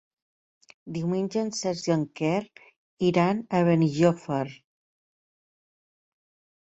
Diumenge en Cesc i en Quer iran a Benijòfar.